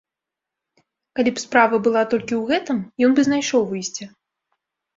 Калі б справа была толькі ў гэтым, ён бы знайшоў выйсце.